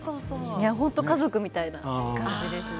本当に家族みたいな感じですね。